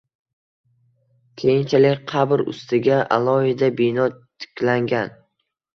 Keyinchalik qabri ustiga alohida bino tiklangan